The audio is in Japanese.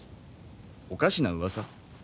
おかしなうわさ？